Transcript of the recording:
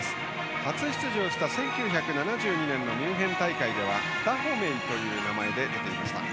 初出場した１９７２年のミュンヘン大会ではダホメという名前で出ていました。